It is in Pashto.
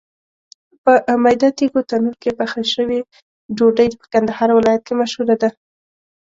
په میده تېږو تنور کې پخه شوې ډوډۍ په کندهار ولایت کې مشهوره ده.